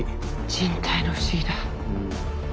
人体の不思議だ。